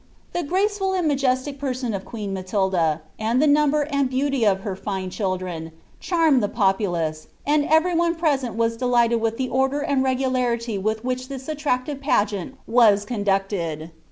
The graceful and majestic person of queen Matilda, and the number mi beauty of her line children, channed the populace, and every one pmtm was delighted with the order and regularity with which lliis sttractin pageant was conducted.'